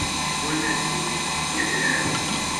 Ttwanasen-t yal ass.